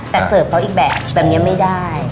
แต่เสิร์ฟเขาอีกแบบแบบนี้ไม่ได้